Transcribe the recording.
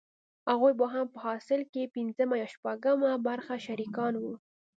هغوې به هم په حاصل کښې پينځمه يا شپږمه برخه شريکان وو.